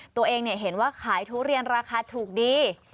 ตัวเองเห็นว่าขายทุเรียนราคาถูกดี